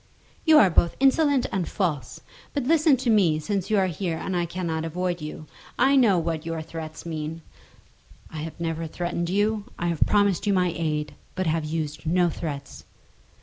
"You are both insolent and false. But listen to me, since you are here and I cannot avoid you. I know what your threats mean." "I have never threatened you. I have promised you my aid, but have used no threats."